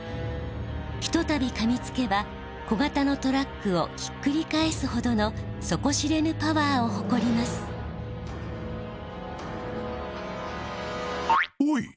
ひとたびかみつけば小型のトラックを引っくり返すほどの底知れぬパワーをほこりますほい。